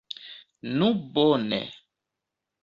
Nu bone!